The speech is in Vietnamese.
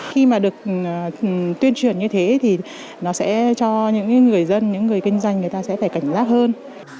khi mà được tuyên truyền như thế thì nó sẽ cho những người dân những người kinh doanh người ta sẽ phải cảnh giác hơn